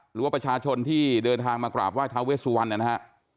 หรือว่าประชาชนที่เดินทางมากราบไห้ทาเวสวรรณนะฮะ